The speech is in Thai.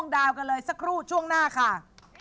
สักครู่ช่วงหน้าค่ะ